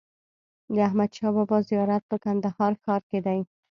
د احمدشاه بابا زيارت په کندهار ښار کي دئ.